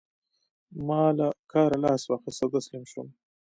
ما له کاره لاس واخيست او تسليم شوم.